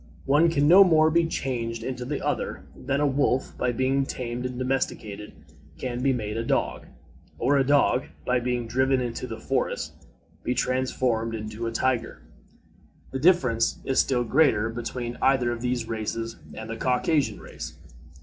One can no more be changed into the other, than a wolf, by being tamed and domesticated, can be made a dog, or a dog, by being driven into the forests, be transformed into a tiger. The difference is still greater between either of these races and the Caucasian race.